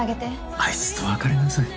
あいつと別れなさい。